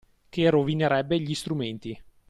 Che rovinerebbe gli strumenti